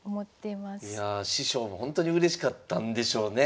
いやあ師匠もほんとにうれしかったんでしょうね。